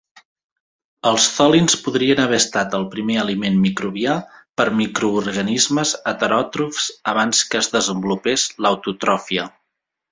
Els Tholins podrien haver estat el primer aliment microbià per microorganismes heteròtrofs abans que es desenvolupés l'autotròfia.